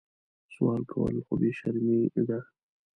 سوال کول خو بې شرمي ده